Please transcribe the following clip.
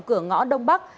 cửa ngõ đông bắc